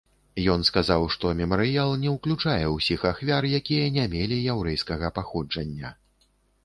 Ён сказаў, што мемарыял не ўключае ўсіх ахвяр, якія не мелі яўрэйскага паходжання.